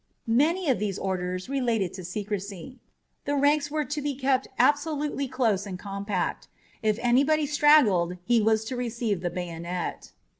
Many of these orders related to secrecy. The ranks were to be kept absolutely close and compact. If anybody straggled he was to receive the bayonet.